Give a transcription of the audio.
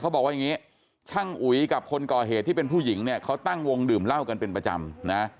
บอกว่าอย่างนี้ช่างอุ๋ยกับคนก่อเหตุที่เป็นผู้หญิงเนี่ยเขาตั้งวงดื่มเหล้ากันเป็นประจำนะ